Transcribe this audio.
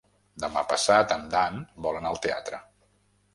Demà passat en Dan vol anar al teatre.